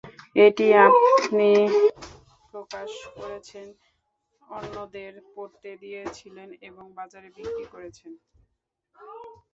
এটি আপনি প্রকাশ করেছেন, অন্যদের পড়তে দিয়েছিলেন এবং বাজারে বিক্রিও করেছেন।